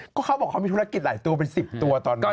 ก็เขาบอกเขามีธุรกิจหลายตัวเป็น๑๐ตัวตอนนั้น